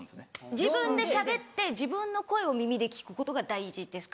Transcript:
自分でしゃべって自分の声を耳で聴くことが大事ですか？